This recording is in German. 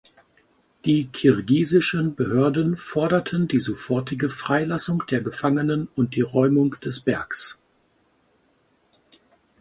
Die kirgisischen Behörden forderten die sofortige Freilassung der Gefangenen und die Räumung des Bergs.